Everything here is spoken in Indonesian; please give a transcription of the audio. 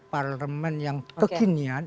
parlemen yang kekinian